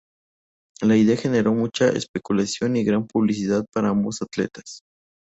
La idea generó mucha especulación y gran publicidad para ambos atletas.